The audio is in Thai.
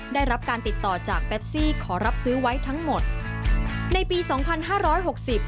ได้รับการติดต่อจากแปปซี่ขอรับซื้อไว้ทั้งหมดในปีสองพันห้าร้อยหกสิบ